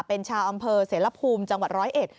เป็นชาวอำเภอเสร็จละภูมิจังหวัด๑๐๑